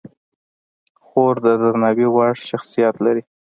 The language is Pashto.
خور د درناوي وړ شخصیت لري.